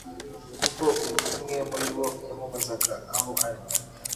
kuko ubwo umwe muri bo yamubazaga aho ari,